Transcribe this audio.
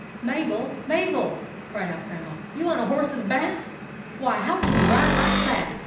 " Mabel! Mabel!" cried out Grandma. "You on a horse's back? Why, how can you ride like that?